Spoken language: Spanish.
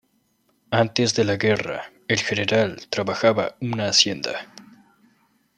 Antes de la guerra, el General trabajaba una Hacienda.